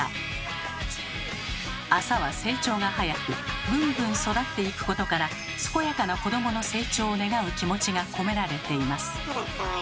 麻は成長が早くグングン育っていくことから健やかな子どもの成長を願う気持ちが込められています。